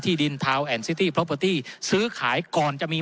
ดินทาวน์แอนซิตี้เพราะเบอร์ตี้ซื้อขายก่อนจะมี